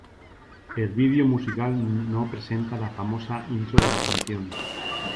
El vídeo musical no presenta la famosa intro de la canción.